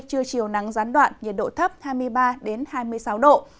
trưa chiều nắng gián đoạn nhiệt độ thấp hai mươi ba hai mươi sáu độ